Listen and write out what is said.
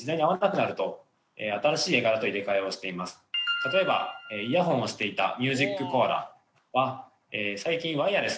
例えばイヤホンをしていたミュージックコアラは最近弊社では。